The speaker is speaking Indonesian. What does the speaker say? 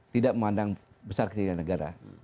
tidak memandang besar kecilnya negara